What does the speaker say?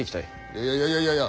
いやいやいやいやいやいや。